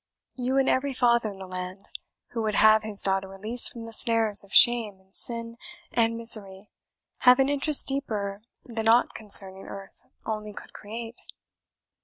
"You, and every father in the land, who would have his daughter released from the snares of shame, and sin, and misery, have an interest deeper than aught concerning earth only could create."